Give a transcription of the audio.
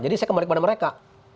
jadi saya kembali ke mereka